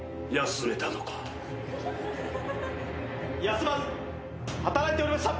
休まず働いておりました！